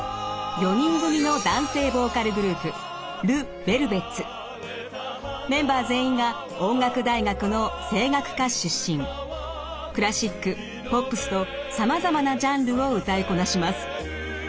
４人組の男性ボーカルグループメンバー全員がクラシックポップスとさまざまなジャンルを歌いこなします。